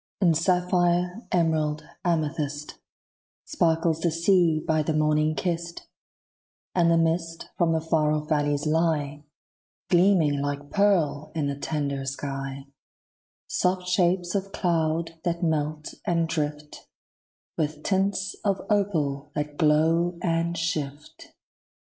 In sapphire, emerald, amethyst, Sparkles the sea by the morning kissed; And the mist from the far off valleys lie Gleaming like pearl in the tender sky; Soft shapes of cloud that melt and drift, With tints of opal that glow and shift.